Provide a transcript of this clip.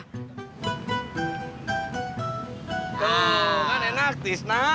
tuh kan enak tisna